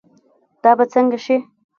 دا به سنګه شي